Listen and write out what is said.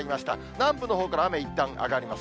南部のほうから雨いったん上がります。